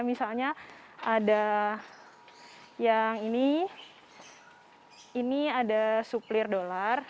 misalnya ada yang ini ini ada suplir dolar